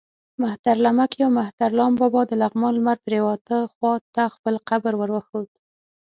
مهترلمک یا مهترلام بابا د لغمان لمر پرېواته خوا ته خپل قبر ور وښود.